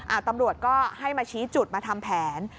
ตำรวจก็ให้มาชี้จุดมาทำแผน